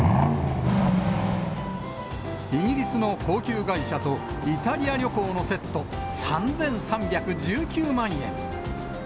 イギリスの高級外車とイタリア旅行のセット３３１９万円。